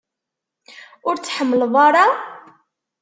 Ur t-tḥemmleḍ ara?